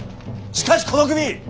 しかしこの首！